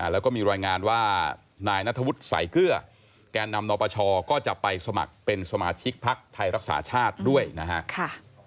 แล้วก็มีรายงานว่านายนัทวุฒิสายเกลือแก่นำนปชก็จะไปสมัครเป็นสมาชิกพักไทยรักษาชาติด้วยนะครับ